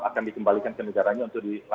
akan dikembalikan ke negaranya untuk